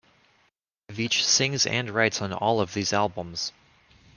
Veitch sings and writes on all of these albums.